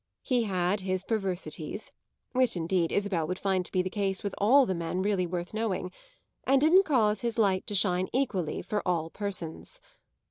He had his perversities which indeed Isabel would find to be the case with all the men really worth knowing and didn't cause his light to shine equally for all persons.